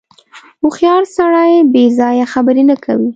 • هوښیار سړی بېځایه خبرې نه کوي.